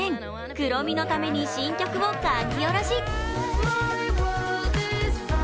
クロミのために新曲を書き下ろし。